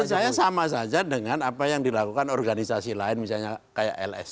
menurut saya sama saja dengan apa yang dilakukan organisasi lain misalnya kayak lsi